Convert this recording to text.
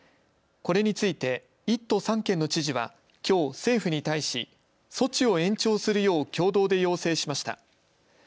これについて１都３県の知事はきょう、政府に対し措置を延長するよう共同で要請しました。